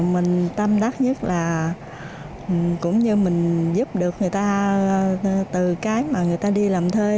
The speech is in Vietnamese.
mình tâm đắc nhất là cũng như mình giúp được người ta từ cái mà người ta đi làm thuê